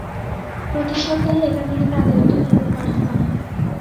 প্রতি সপ্তাহে এখান থেকে কাজের একটা রিপোর্ট পাঠান হবে।